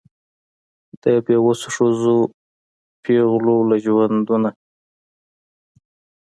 د بېوسو ښځو پېغلو له ژوندونه